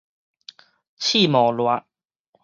刺毛捋